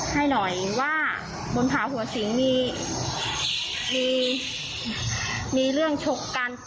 ให้หน่อยว่าบนผาหัวสิงมีเรื่องชกกัน